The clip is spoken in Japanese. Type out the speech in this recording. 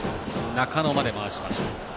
中野まで回しました。